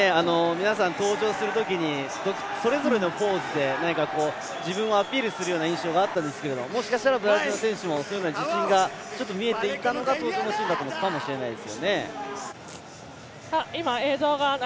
皆さん、登場するときにそれぞれのポーズで自分をアピールする印象があったんですけどもしかしたらブラジルの選手もそういった自信が見えていたのかもしれませんよね。